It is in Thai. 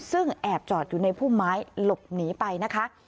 ซึ่งแอบจอดอยู่ในพุ่มไม้หลบหนีไปนะคะ